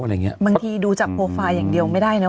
อะไรอย่างเงี้ยบางทีดูจากโพลไฟล์อย่างเดียวไม่ได้เนอะ